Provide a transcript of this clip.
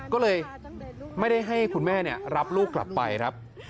ก็เลยไม่ได้ให้คุณแม่รับลูกกลับไปครับ